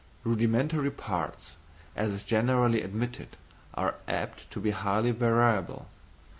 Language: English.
Rudimentary parts, as is generally admitted, are apt to be highly variable.